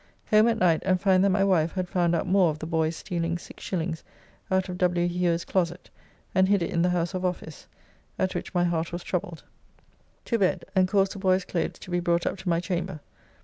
Home at night, and find that my wife had found out more of the boy's stealing 6s. out of W. Hewer's closet, and hid it in the house of office, at which my heart was troubled. To bed, and caused the boy's clothes to be brought up to my chamber.